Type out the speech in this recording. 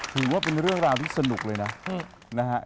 ถือว่าเป็นเรื่องราวที่สนุกเลยนะนะฮะ